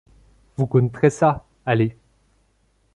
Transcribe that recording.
Vous connaîtrez ça, allez !